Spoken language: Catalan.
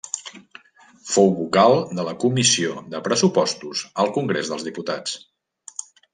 Fou vocal de la Comissió de Pressupostos al Congrés dels Diputats.